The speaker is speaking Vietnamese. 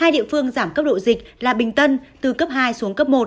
hai địa phương giảm cấp độ dịch là bình tân từ cấp hai xuống cấp một